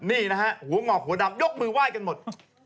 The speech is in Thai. นี่นะฮะหัวงอกหัวดำยกมือไหว้กันหมด